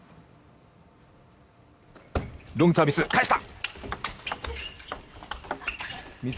ロングサービス、返した！